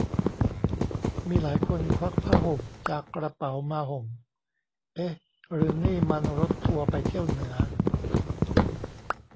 มีหลายคนควักผ้าห่มจากกระเป๋ามาห่ม เอ๊ะหรือนี่มันรถทัวร์ไปเที่ยวเหนือ ?